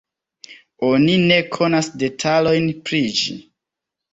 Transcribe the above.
Oni ne konas detalojn pri ĝi.